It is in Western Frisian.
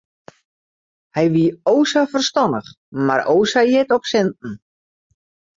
Hy wie o sa ferstannich mar o sa hjit op sinten.